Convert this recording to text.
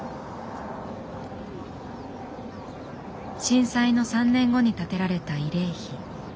震災の３年後に建てられた慰霊碑。